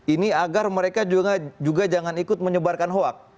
ini agar mereka juga jangan ikut menyebarkan hoak